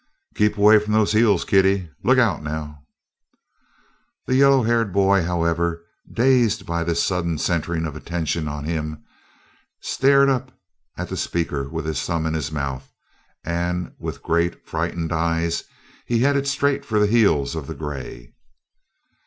"Keep away from those heels, kiddie. Look out, now!" The yellow haired boy, however, dazed by this sudden centering of attention on him, stared up at the speaker with his thumb in his mouth; and with great, frightened eyes he headed straight for the heels of the grey!